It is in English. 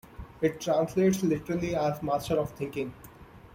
It translates literally as "master for thinking".